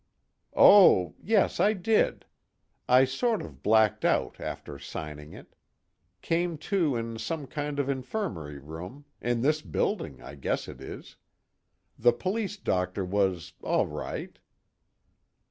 "Oh yes, I did. I sort of blacked out, after signing it. Came to in some kind of infirmary room in this building, I guess it is. The police doctor was all right."